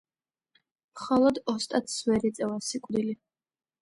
მხოლოდ ოსტატს ვერ ეწევა სიკვდილი